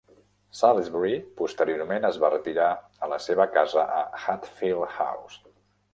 Salisbury posteriorment es va retirar a la seva casa a Hatfield House.